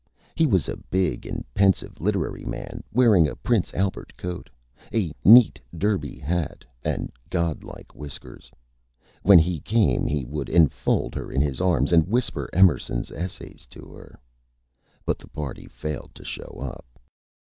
He was a big and pensive Literary Man, wearing a Prince Albert coat, a neat Derby Hat and godlike Whiskers. When He came he would enfold Her in his Arms and whisper Emerson's Essays to her. [Illustration: COLD PROPOSITION] But the Party failed to show up.